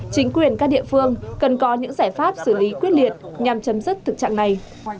chính quyền các địa phương cần có những giải pháp xử lý quyết liệt nhằm chấm dứt thực trạng này